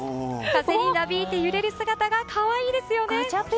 風になびいて揺れる姿が可愛いですよね。